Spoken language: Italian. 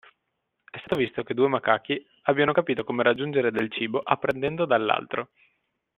È stato visto che due macachi abbiano capito come raggiungere del cibo apprendendo dall'altro.